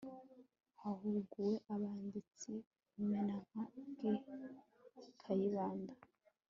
hahuguwe abanditsi b'imena nka g. kayibanda